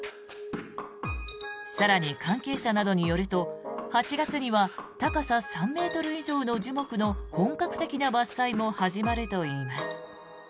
更に、関係者などによると８月には高さ３ｍ以上の樹木の本格的な伐採も始まるといいます。